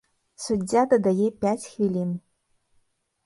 Суддзя дадае пяць хвілін.